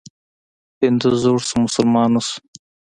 هندو زوړ شو، مسلمان نه شو.